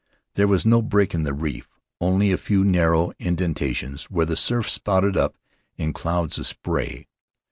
There was no break in the reef; only a few narrow indentations where the surf spouted up in clouds of spray.